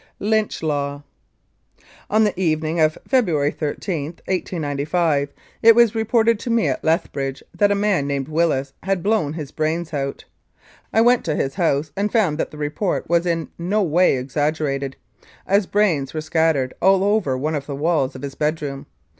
LYNCH LAW On the evening of February 13, 1895, it was reported to me at Lethbridge that a man named Willis had blown his brains out. I went to his house and found that the report was in no way exaggerated, as brains were scattered all over one of the walls of his bedroom.